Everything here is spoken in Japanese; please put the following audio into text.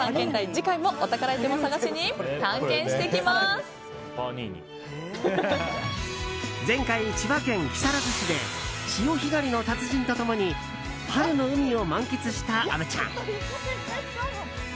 次回もお宝アイテムを探しに前回、千葉県木更津市で潮干狩りの達人と共に春の海を満喫した虻ちゃん。